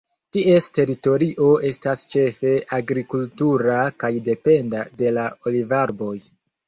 Ties teritorio estas ĉefe agrikultura kaj dependa de la olivarboj.